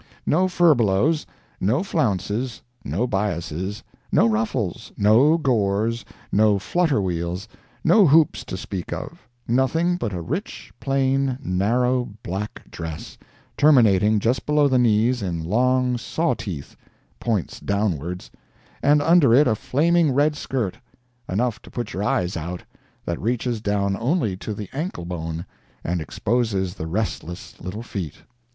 No furbelows, no flounces, no biases, no ruffles, no gores, no flutter wheels, no hoops to speak of—nothing but a rich, plain, narrow black dress, terminating just below the knees in long saw teeth, (points downwards,) and under it a flaming red skirt, enough to put your eyes out, that reaches down only to the ankle bone, and exposes the restless little feet.